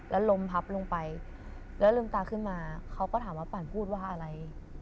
แล้วลมพับลงไปแล้วลืมตาขึ้นมาเขาก็ถามว่าปั่นพูดว่าอะไร